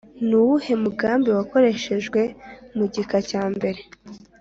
Ni uwuhe mugani wakoreshejwe mu gika cya mbere